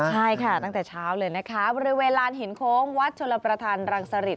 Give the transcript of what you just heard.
ใช่ค่ะตั้งแต่เช้าเลยนะคะบริเวณลานหินโค้งวัดชลประธานรังสริต